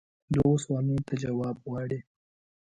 دغو سوالونو ته جواب غواړي.